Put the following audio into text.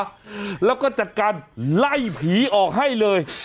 อืมแล้วก็จัดการไล่ผีออกให้เลย